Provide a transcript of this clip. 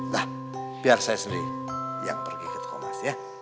nah biar saya sendiri yang pergi ke komas ya